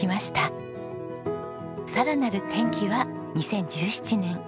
さらなる転機は２０１７年。